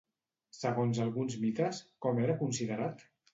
Segons alguns mites, com era considerat?